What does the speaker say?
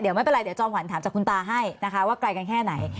เดี๋ยวไม่เป็นไรเจ้าหวันถามจากคุณตาให้นะคะว่ากลายกันแค่ไหน